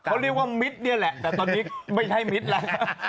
เขาเรียกว่ามิตรนี่แหละแต่ตอนนี้ไม่ใช่มิตรแล้ว